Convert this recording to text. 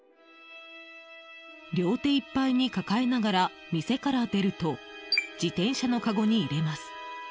両手いっぱいに抱えながら店から出ると自転車のかごに入れます。